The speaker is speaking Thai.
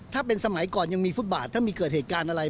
ถ้าเป็นสมัยก่อนยังมีฟุตบาทถ้ามีเกิดเหตุการณ์อะไร